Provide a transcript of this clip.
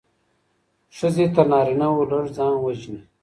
ښځي تر نارينه وو لږ ځان وژني.